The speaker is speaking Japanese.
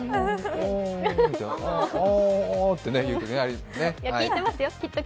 おおーっていや、聞いてますよ。